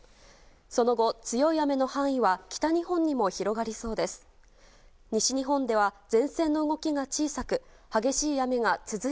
その後、強い雨の範囲は北日本にも広がりそうです。